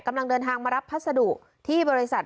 กำลังเดินทางมารับพัสดุที่บริษัท